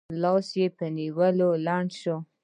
لاس یې په وینو لند شو.